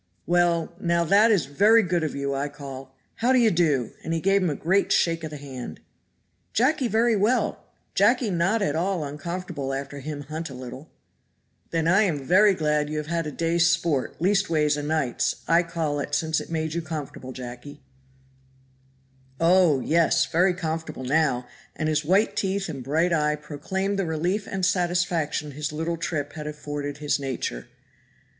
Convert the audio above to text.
Well, now that is very good of you I call. How do you do?" and he gave him a great shake of the hand. "Jacky very well, Jacky not at all uncomfortable after him hunt a little." "Then I am very glad you have had a day's sport, leastways a night's, I call it, since it has made you comfortable, Jacky." "Oh! yes, very comfortable now," and his white teeth and bright eye proclaimed the relief and satisfaction his little trip had afforded his nature.